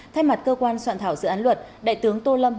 thay mặt cơ quan soạn thảo dự án luật đại tướng tô lâm